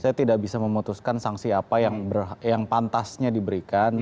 saya tidak bisa memutuskan sanksi apa yang pantasnya diberikan